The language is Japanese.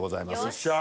よっしゃ。